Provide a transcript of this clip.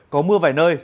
có mưa vài nơi